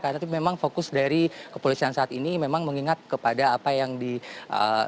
karena memang fokus dari kepolisian saat ini memang mengingat kepada apa yang disampaikan